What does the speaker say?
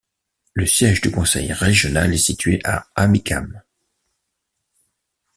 Le siège du conseil régional est situé à Amikam.